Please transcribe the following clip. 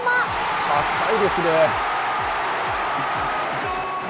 高いですね。